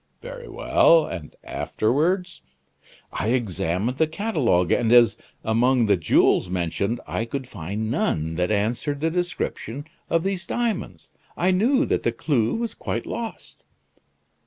"Very well! and afterwards?" "I examined the catalogue; and as, among the jewels mentioned, I could find none that answered the description of these diamonds, I knew that the clue was quite lost."